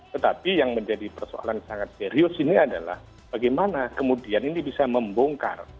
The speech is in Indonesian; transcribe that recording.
tetapi yang menjadi persoalan sangat serius ini adalah bagaimana kemudian ini bisa membongkar